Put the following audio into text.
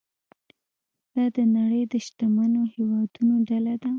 دا د نړۍ د شتمنو هیوادونو ډله ده.